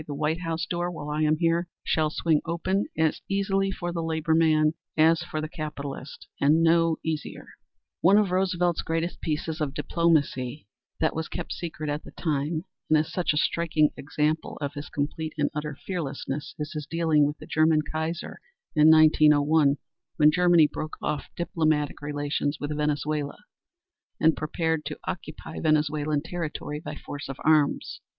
'The White House door, while I am here, shall swing open as easily for the labor man as for the capitalist and no easier.'" One of Roosevelt's greatest pieces of diplomacy that was kept secret at the time, and is such a striking example of his complete and utter fearlessness is his dealing with the German Kaiser in 1901, when Germany broke off diplomatic relations with Venezuela, and prepared to occupy Venezuelan territory by force of arms.